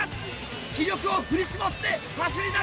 気力を振り絞って走りだした！